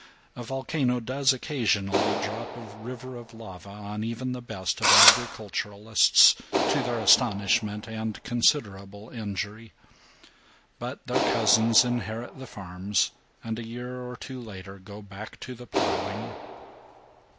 A volcano does occasionally drop a river of lava on even the best of agriculturists, to their astonishment and considerable injury, but their cousins inherit the farms and a year or two later go back to the plowing.